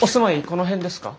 この辺ですか？